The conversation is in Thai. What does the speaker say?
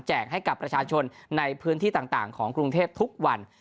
ให้กับประชาชนในพื้นที่ต่างของกรุงเทพทุกวัน